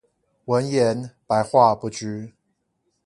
文言、白話不拘